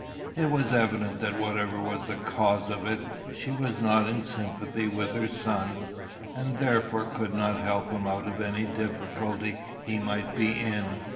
It was evident that whatever was the cause of it, she was not in sympathy with her son, and therefore could not help him out of any difficulty he might be in.